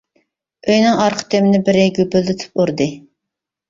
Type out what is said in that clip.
ئۆينىڭ ئارقا تېمىنى بىرى گۈپۈلدىتىپ ئۇردى.